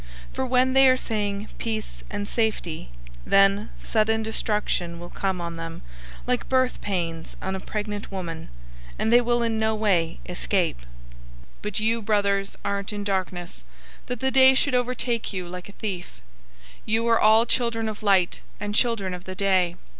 005:003 For when they are saying, "Peace and safety," then sudden destruction will come on them, like birth pains on a pregnant woman; and they will in no way escape. 005:004 But you, brothers, aren't in darkness, that the day should overtake you like a thief. 005:005 You are all children of light, and children of the day.